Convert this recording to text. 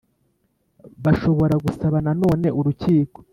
bashobora gusaba na none urukiko